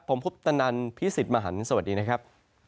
ผมพุทธนันทร์พี่สิทธิ์มหันต์สวัสดีนะครับ